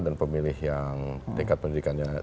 dan pemilih yang dekat pendidikannya